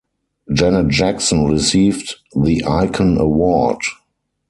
Janet Jackson received the icon award.